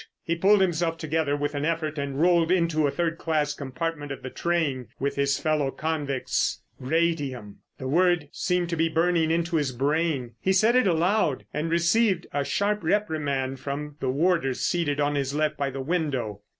He pulled himself together with an effort and rolled into a third class compartment of the train with his fellow convicts. Radium! The word seemed to be burning into his brain. He said it aloud and received a sharp reprimand from the warder seated on his left by the window.